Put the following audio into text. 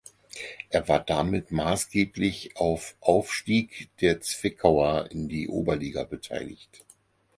Er war damit maßgeblich auf Aufstieg der Zwickauer in die Oberliga beteiligt.